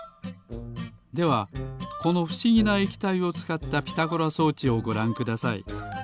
ではこのふしぎな液体をつかったピタゴラ装置をごらんください。